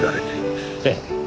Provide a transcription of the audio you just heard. ええ。